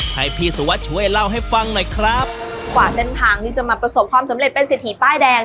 ให้พี่สุวัสดิ์ช่วยเล่าให้ฟังหน่อยครับกว่าเส้นทางที่จะมาประสบความสำเร็จเป็นเศรษฐีป้ายแดง